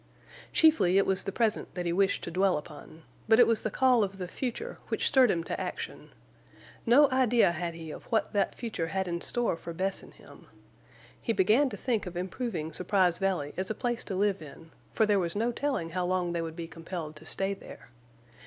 Chiefly it was the present that he wished to dwell upon; but it was the call of the future which stirred him to action. No idea had he of what that future had in store for Bess and him. He began to think of improving Surprise Valley as a place to live in, for there was no telling how long they would be compelled to stay there.